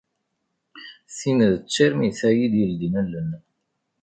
Tin d tarmit ay iyi-yeldin allen.